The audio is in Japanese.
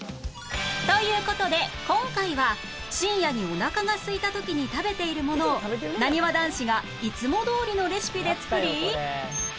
という事で今回は深夜におなかがすいた時に食べているものをなにわ男子がいつもどおりのレシピで作り